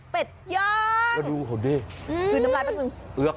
เป็ดย้าง